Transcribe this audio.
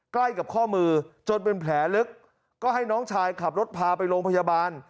ใกล้กับข้อมือจนเป็นแผลลึกก็ให้น้องชายขับรถพาไปโรงพยาบาล